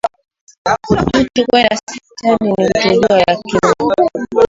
Mtu kwenda sipitali, ni kutojuwa yakini.